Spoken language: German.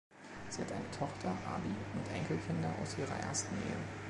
Sie hat eine Tochter, Abi, und Enkelkinder aus ihrer ersten Ehe.